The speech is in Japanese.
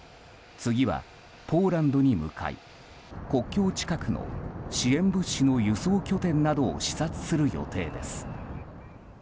次はポーランドに向かい国境近くの支援物資の輸送拠点などを視察する予定です。